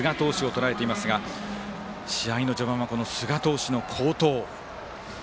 とらえていますが試合の序盤は寿賀投手の好投。